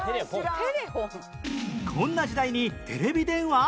こんな時代にテレビ電話？